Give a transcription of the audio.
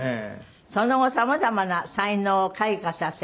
その後様々な才能を開花させ